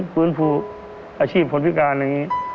ฟื้นฟูอาชีพคนพิการอย่างนี้